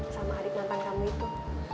sama adik mantan kamu itu